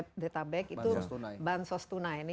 jabodetabek itu bantuan sosial tunai